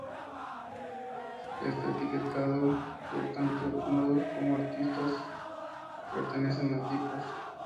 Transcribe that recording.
Está etiquetado porque tanto nodos como aristas pertenecen a tipos.